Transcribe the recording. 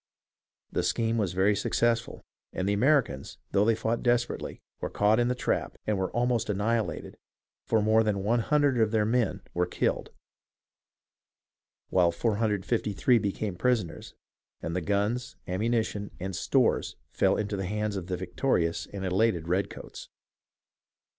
The scheme was very successful, and the Americans, though they fought desperately, were caught in the trap and were almost annihilated, for more than loo of their men were killed, while 453 became prisoners, and the guns, ammuni tion, and stores fell into the hands of the victorious and elated redcoats.